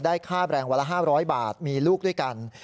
ค่าแรงวันละ๕๐๐บาทมีลูกด้วยกัน